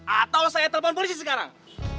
atau saya telepon polisi sekarang